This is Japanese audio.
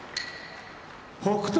北勝